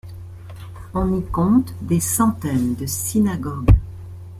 On y compte des centaines de synagogues.